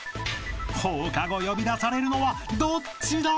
［放課後呼び出されるのはどっちだ？］